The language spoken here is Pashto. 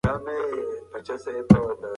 ناروغ باید وهڅول شي.